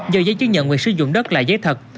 do giấy chứng nhận quyền sử dụng đất là giấy thật